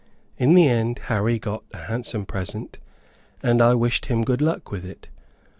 In the end Harry got a handsome present; and I wished him good luck with it.